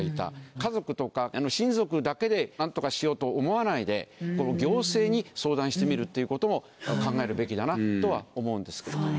家族とか親族だけで何とかしようと思わないで。ということも考えるべきだなとは思うんですけれどもね。